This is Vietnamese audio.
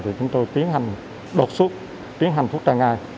thì chúng tôi tiến hành đột xuất tiến hành phút trả ngay